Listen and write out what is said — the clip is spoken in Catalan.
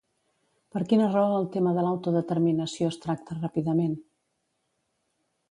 Per quina raó el tema de l'autodeterminació es tracta ràpidament?